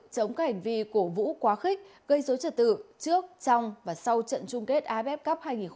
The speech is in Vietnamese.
chống các hành vi cổ vũ quá khích gây dối trả tự trước trong và sau trận chung kết abf cup hai nghìn một mươi tám